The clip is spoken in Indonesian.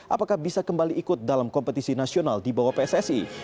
apakah bisa kembali ikut dalam kompetisi nasional di bawah pssi